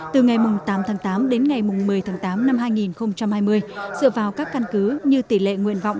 từ ngày tám tháng tám đến ngày một mươi tháng tám năm hai nghìn hai mươi dựa vào các căn cứ như tỷ lệ nguyện vọng